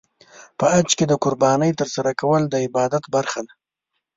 په حج کې د قربانۍ ترسره کول د عبادت برخه ده.